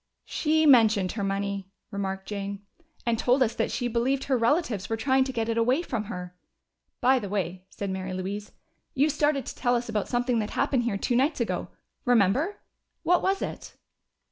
"She mentioned her money," remarked Jane, "and told us that she believed her relatives were trying to get it away from her." "By the way," said Mary Louise, "you started to tell us about something that happened here two nights ago. Remember? What was it?"